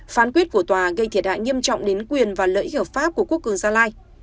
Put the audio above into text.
phán quyết của tòa gây thiệt hại nghiêm trọng đến quyền và lợi ích hợp pháp của quốc cường gia lai